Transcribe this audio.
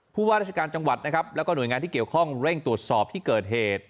ผู้ว่าราชการจังหวัดนะครับแล้วก็หน่วยงานที่เกี่ยวข้องเร่งตรวจสอบที่เกิดเหตุ